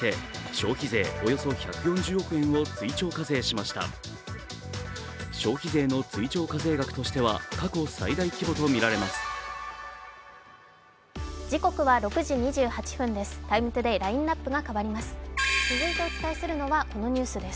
消費税の追徴課税額としては過去最大規模とみられます。